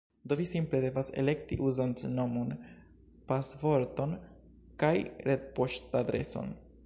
Do vi simple devas elekti uzantnomon pasvorton kaj retpoŝtadreson